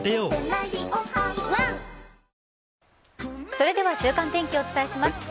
それでは週間天気をお伝えします。